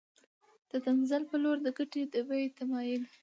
د تنزل په لور د ګټې د بیې تمایل